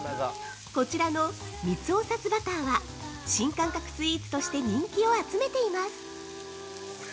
こちらの「蜜おさつバター」は新感覚スイーツとして人気を集めています。